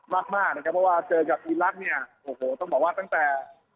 มากเพราะว่าเจอกับอีรัตเนี่ยโอ้โหต้องบอกว่าตั้งแต่